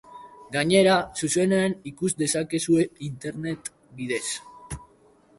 Gainera, zuzenean ikus dezakezue internet bidez.